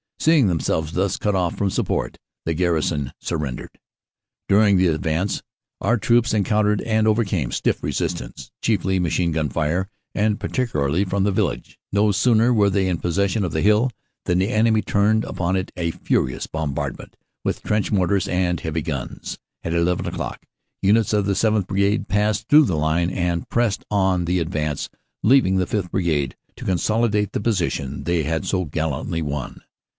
Seeing themselves thus cut off from support, the garrison surrendered. During the advance our troops encountered and overcame stiff resistance, chiefly machine gun fire and particularly from the village. No sooner were they in possession of the hill than the enemy turned upon it a furious bombardment, with trench mortars and heavy guns. At eleven o clock, units of the 7th. Brigade passed through the line and pressed on the advance, leaving the Sth. Brigade to consolidate the position they had so gallantly won.